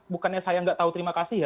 bukannya saya nggak tahu terima kasih ya